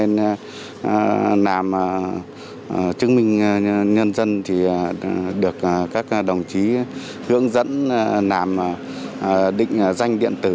năm chứng minh nhân dân thì được các đồng chí hướng dẫn làm định danh điện tử